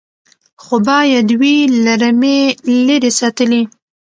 خو باید وي له رمې لیري ساتلی